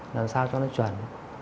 làm sao cho nó chuẩn